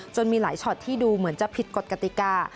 มีหลายช็อตที่ดูเหมือนจะผิดกฎกติกา